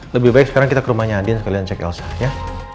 lebih baik sekarang kita ke rumahnya adian sekalian cek elsa ya